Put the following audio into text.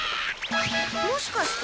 もしかして。